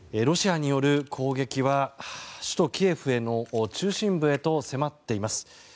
ロシアによる攻撃は首都キエフの中心部へと迫っています。